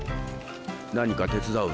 何か手伝うぞ。